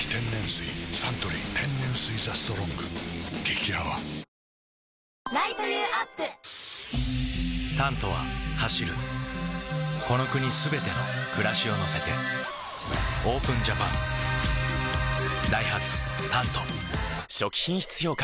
サントリー天然水「ＴＨＥＳＴＲＯＮＧ」激泡「タント」は走るこの国すべての暮らしを乗せてＯＰＥＮＪＡＰＡＮダイハツ「タント」初期品質評価